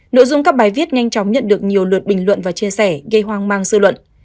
nội dung các bài viết nhanh chóng nhận được nhiều lượt bình luận và chia sẻ gây hoang mang dư luận